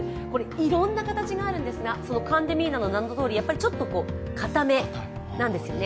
いろんな形があるんですが、そのカンデミーナの名のとおり、ちょっと硬めなんですよね。